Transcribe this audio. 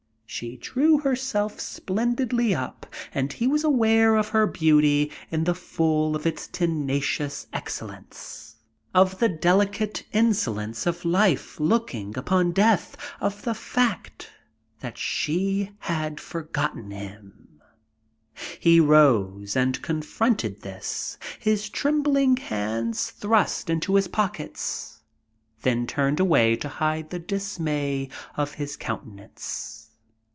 She drew herself splendidly up, and he was aware of her beauty in the full of its tenacious excellence of the delicate insolence of Life looking upon Death of the fact that she had forgotten him. He rose, and confronted this, his trembling hands thrust into his pockets, then turned away to hide the dismay of his countenance.